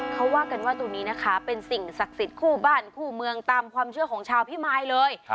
เขาว่ากันว่าตรงนี้นะคะเป็นสิ่งศักดิ์สิทธิ์คู่บ้านคู่เมืองตามความเชื่อของชาวพิมายเลย